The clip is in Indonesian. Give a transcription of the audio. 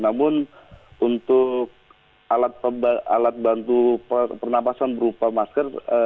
namun untuk alat bantu pernapasan berupa masker